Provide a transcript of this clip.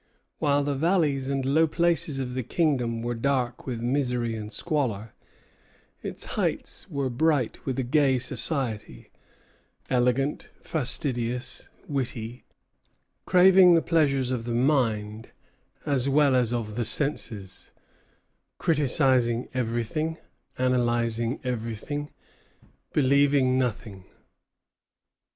While the valleys and low places of the kingdom were dark with misery and squalor, its heights were bright with a gay society, elegant, fastidious, witty, craving the pleasures of the mind as well as of the senses, criticising everything, analyzing everything, believing nothing.